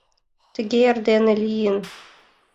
Тыге эрдене лийын.